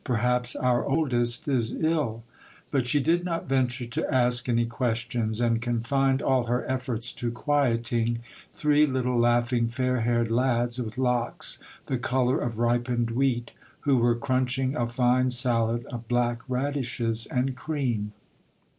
Perhaps our oldest is ill." But she did not venture to ask any questions, and confined all her efforts to quiet ing three little laughing, fair haired lads with locks the color of ripened wheat, who were crunching a fine salad of black radishes and cream.